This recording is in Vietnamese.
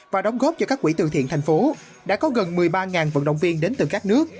và đóng góp cho các quỹ từ thiện thành phố đã có gần một mươi ba vận động viên đến từ các nước